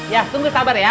ya tunggu sabar ya